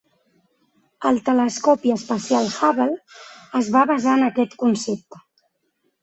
El telescopi espacial Hubble es va basar en aquest concepte.